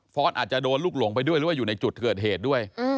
อาจจะโดนลูกหลงไปด้วยหรือว่าอยู่ในจุดเกิดเหตุด้วย